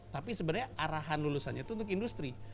tapi sebenarnya arahan lulusannya itu untuk industri